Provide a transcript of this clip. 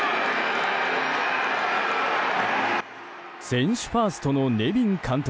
選手ファーストのネビン監督。